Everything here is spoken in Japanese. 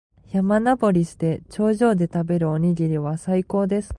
山登りをして、頂上で食べるおにぎりは最高です。